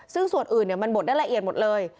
ซึ่งส่วนอื่นมันบดได้ละเอียดหมดเลย